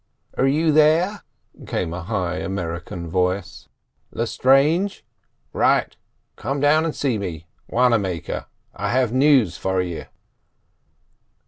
"Are you there?" came a high American voice. "Lestrange—right—come down and see me—Wannamaker—I have news for you."